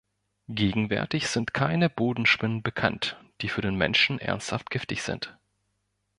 Gegenwärtig sind keine Bodenspinnen bekannt, die für den Menschen ernsthaft giftig sind.